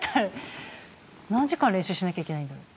何時間練習しなきゃいけないんだろう。